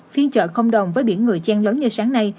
phiên chợ không đồng với biển người trang lớn như sáng nay